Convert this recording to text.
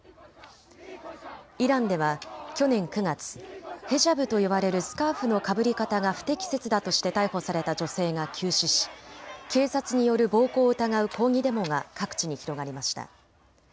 イランでは去年９月、ヘジャブと呼ばれるスカーフのかぶり方が不適切だとして逮捕された女性が急死し警察による暴行を疑う抗議デモが各地に広がりました。